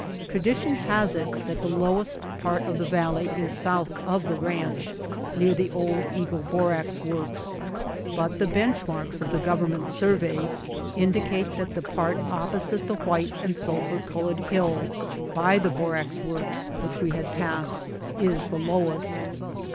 Tradition has it that the lowest part of the valley is south of the Ranch, near the old Eagle Borax Works, but the bench marks of the government's survey indicate that the part opposite the white and sulphur colored hill by the borax works which we had passed is the lowest.